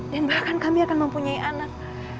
dan bahkan kami akan mempunyai anak